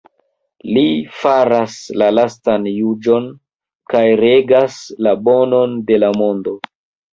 Li faras la lastan juĝon kaj regas la Bonon de la Mondo.